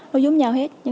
nó giống nhau hết